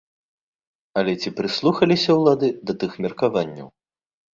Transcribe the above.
Але ці прыслухаліся ўлады да тых меркаванняў?